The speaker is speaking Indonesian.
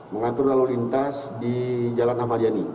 mengatur lalu lintas di jalan ahmad yani